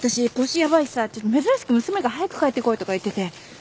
やばいしさ珍しく娘が早く帰ってこいとか言ってて。